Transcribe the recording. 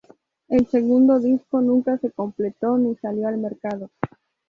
El segundo disco nunca se completó ni salió al mercado.